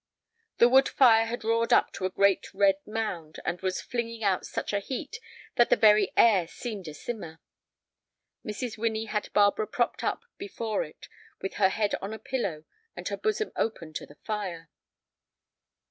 The wood fire had roared up to a great red mound, and was flinging out such a heat that the very air seemed a simmer. Mrs. Winnie had Barbara propped up before it, with her head on a pillow and her bosom open to the fire.